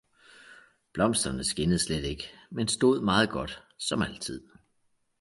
blomsterne skinnede slet ikke, men stod meget godt, som altid.